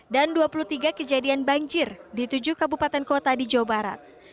dan dua puluh tiga kejadian banjir di tujuh kabupaten kota di jawa barat